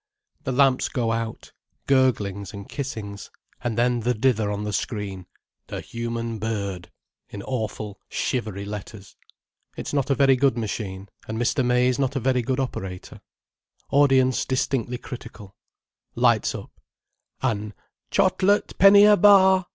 The lamps go out: gurglings and kissings—and then the dither on the screen: "The Human Bird," in awful shivery letters. It's not a very good machine, and Mr. May is not a very good operator. Audience distinctly critical. Lights up—an "Chot let, penny a bar!